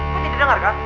kok ini didengarkan